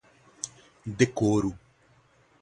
decoro